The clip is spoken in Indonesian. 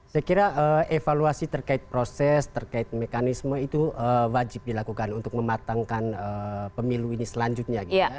saya kira evaluasi terkait proses terkait mekanisme itu wajib dilakukan untuk mematangkan pemilu ini selanjutnya